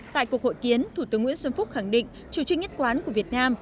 tại cuộc hội kiến thủ tướng nguyễn xuân phúc khẳng định chủ trương nhất quán của việt nam